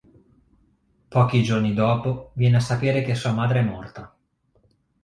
Pochi giorni dopo, viene a sapere che sua madre è morta.